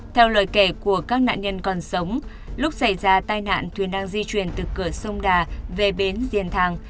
theo lời kể của các nạn nhân còn sống lúc xảy ra tai nạn thuyền đang di chuyển từ cửa sông đà về bến diên thàng